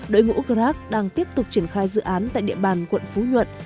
đội ngũ grab đang tiếp tục triển khai dự án tại địa bàn quận phú nhuận